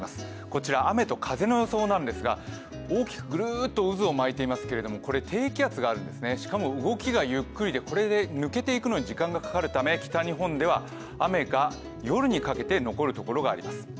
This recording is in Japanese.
こちら、雨と風の予想なんですが大きくぐるっと渦を巻いているんですけどこれ低気圧があるんですね、しかも動きがゆっくりでこれ抜けていくのに時間がかかるため北日本では雨が夜にかけて残る所があります。